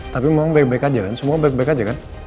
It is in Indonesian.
tapi memang baik baik aja kan semua baik baik aja kan